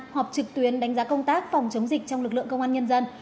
họp trực tuyến đánh giá công tác phòng chống dịch trong lực lượng công an nhân dân